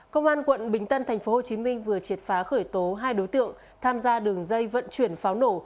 công an quận bình tân thành phố hồ chí minh vừa triệt phá khởi tố hai đối tượng tham gia đường dây vận chuyển pháo nổ